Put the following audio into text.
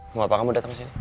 kenapa kamu datang ke sini